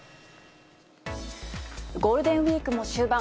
ゴールデンウィークも終盤。